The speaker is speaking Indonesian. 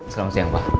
selamat siang pak